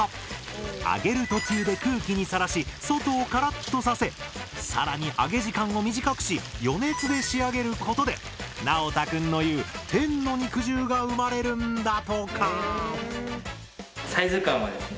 揚げる途中で空気にさらし外をカラッとさせ更に揚げ時間を短くし余熱で仕上げることでなおた君の言う「天の肉汁」が生まれるんだとか。